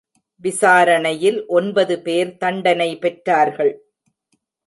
விசாரணையில் ஒன்பது பேர் தண்டனை பெற்றார்கள்.